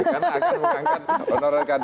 karena akan mengangkat honorar k dua